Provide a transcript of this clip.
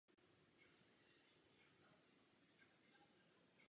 Škola byla součástí komplexu biskupských budov kolem katedrály na ostrově Cité.